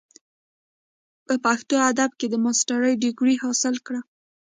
پۀ پښتو ادب کښې د ماسټر ډګري حاصله کړه ۔